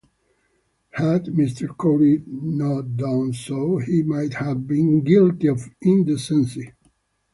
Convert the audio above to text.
Had Mr. Kouri not done so, he might have been guilty of indecency.